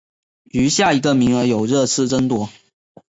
余下一个名额由热刺争夺。